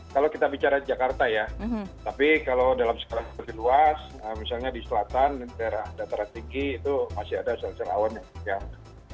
kalau kita bicara jakarta ya tapi kalau dalam skala lebih luas misalnya di selatan dan daerah dataran tinggi itu masih ada sel sel awan yang